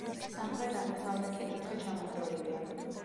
სამხრეთ-აღმოსავლეთი კუთხე ჩამონგრეულია.